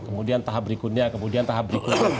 kemudian tahap berikutnya kemudian tahap berikutnya